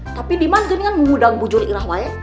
tapi diman geni kan wudang bujur ira wae